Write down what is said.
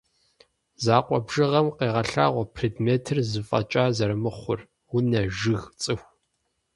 Закъуэ бжыгъэм къегъэлъагъуэ предметыр зы фӏэкӏа зэрымыхъур: унэ, жыг, цӏыху.